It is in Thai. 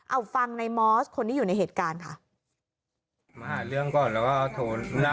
เอาฟังในมอสคนที่อยู่ในเหตุการณ์ค่ะมาหาเรื่องก่อนแล้วก็โทร